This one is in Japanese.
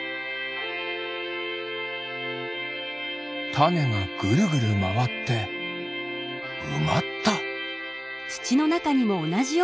タネがぐるぐるまわってうまった。